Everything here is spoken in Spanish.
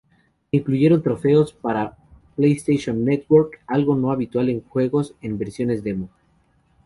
Se incluyeron trofeos para PlayStation Network, algo no habitual en juegos en versiones demo.